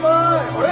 あれ？